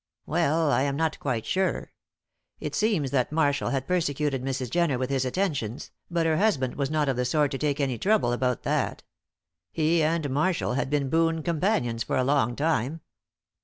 "Well. I am not quite sure. It seems that Marshall had persecuted Mrs. Jenner with his attentions, but her husband was not of the sort to take any trouble about that. He and Marshall I had been boon companions for a long time.